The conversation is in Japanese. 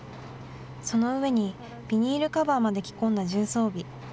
その上にビニールカバーまで着込んだ重装備。